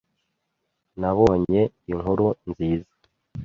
Nabonye inkuru nziza.